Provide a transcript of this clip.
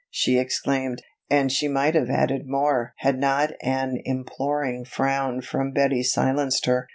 she exclaimed. And she might have added more had not an imploring frown from Betty silenced her.